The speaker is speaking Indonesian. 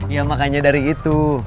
ya makanya dari itu